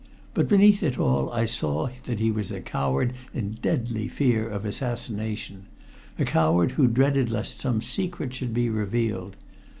But beneath it all I saw that he was a coward in deadly fear of assassination a coward who dreaded lest some secret should be revealed.